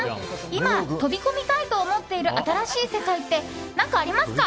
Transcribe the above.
今、飛び込みたいと思っている新しい世界って何かありますか？